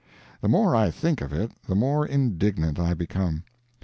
The more I think of it the more indignant I become.